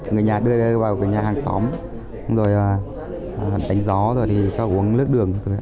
người nhà đưa vào nhà hàng xóm đánh gió rồi thì cho uống nước đường